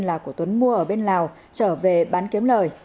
là của tuấn mua ở bên lào trở về bán kiếm lời